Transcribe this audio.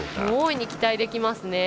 大いに期待できます。